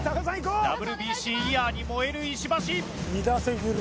ＷＢＣイヤーに燃える石橋。